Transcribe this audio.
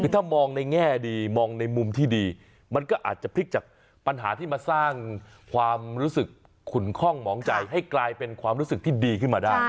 คือถ้ามองในแง่ดีมองในมุมที่ดีมันก็อาจจะพลิกจากปัญหาที่มาสร้างความรู้สึกขุนคล่องหมองใจให้กลายเป็นความรู้สึกที่ดีขึ้นมาได้